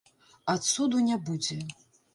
А цуду не будзе.